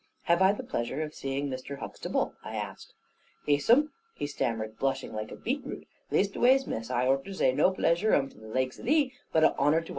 "Have I the pleasure of seeing Mr. Huxtable?" I asked. "Ees 'um," he stammered, blushing like a beet root, "leastways Miss, I ort to zay, no plasure 'um to the laikes of thee, but a honour to ai.